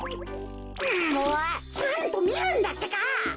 んもうちゃんとみるんだってか。